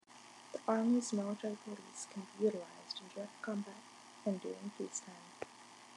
The Army's Military Police can be utilized in direct combat and during peacetime.